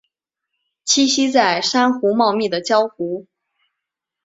栖息在珊瑚茂密的礁湖。